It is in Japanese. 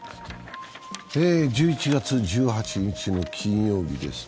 １１月１８日の金曜日です。